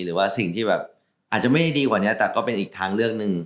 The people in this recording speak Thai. หรือว่าสิ่งที่แบบอาจจะไม่ดีกว่านี้แต่ก็เป็นอีกทางเลือกหนึ่ง